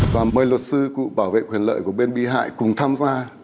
và mời luật sư cụ bảo vệ quyền lợi của bên bị hại cùng tham gia